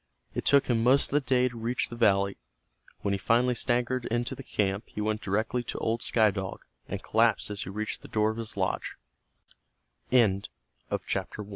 It took him most of the day to reach the valley. When he finally staggered into the camp he went directly to old Sky Dog, and collapsed as he reached the door of h